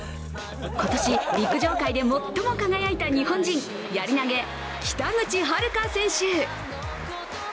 今年、陸上界で最も輝いた日本人、やり投げ、北口榛花選手。